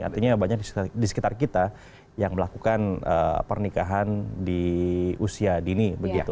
artinya banyak di sekitar kita yang melakukan pernikahan di usia dini